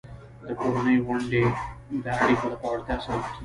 د کورنۍ غونډې د اړیکو د پیاوړتیا سبب کېږي.